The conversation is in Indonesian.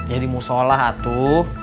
ya di mushollah atuh